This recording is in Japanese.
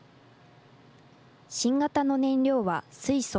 新型の燃料は水素。